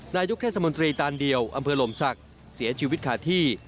นายกเทศมนตรีตานเดียวอำเภอลมศักดิ์เสียชีวิตขาดที่